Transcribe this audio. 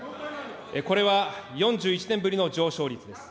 これは４１年ぶりの上昇率です。